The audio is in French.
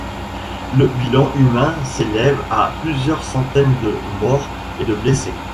Le bilan humain s’élève à plusieurs centaines de morts et de blessés.